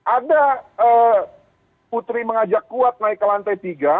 ada putri mengajak kuat naik ke lantai tiga